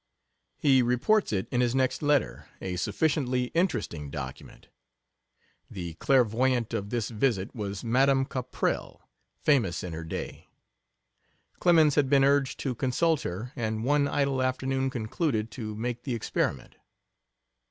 He reports it in his next letter, a sufficiently interesting document. The clairvoyant of this visit was Madame Caprell, famous in her day. Clemens had been urged to consult her, and one idle afternoon concluded to make the experiment.